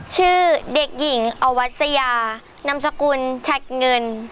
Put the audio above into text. ชื่อเด็กหญิงอวัสยานามสกุลฉัดเงิน